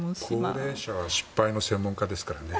高齢者は失敗の専門家ですからね。